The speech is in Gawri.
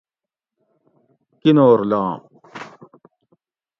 کِنور لام